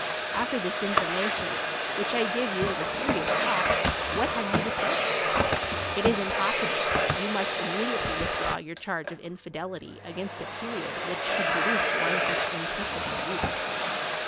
After this in formation, which I give you as a serious fact, what have you to say ? It is impossible but you must immediately withdraw your charge of infidelity against a period which could pro duce one such implicit believer.